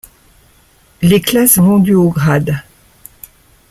Les classes vont du au grade.